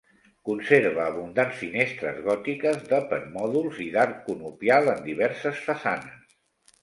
Conserva abundants finestres gòtiques, de permòdols i d'arc conopial en diverses façanes.